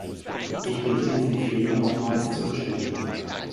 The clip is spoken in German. Ich bitte diesen Fehler nochmals zu entschuldigen.